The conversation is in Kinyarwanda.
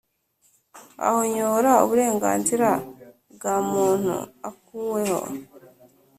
ahonyora uburenganzira bwa muntu akuweho